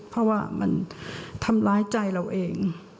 เพราะว่ามันทำร้ายใจเราเอง